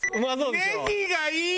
ネギがいい！